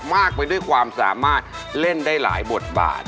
มากไปด้วยความสามารถเล่นได้หลายบทบาท